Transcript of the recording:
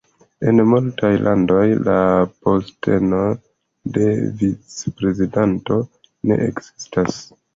En multaj landoj, la posteno de vicprezidanto ne ekzistas.